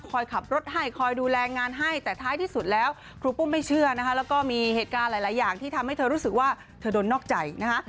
ขับรถให้คอยดูแลงานให้แต่ท้ายที่สุดแล้วครูปุ้มไม่เชื่อนะคะแล้วก็มีเหตุการณ์หลายอย่างที่ทำให้เธอรู้สึกว่าเธอโดนนอกใจนะคะ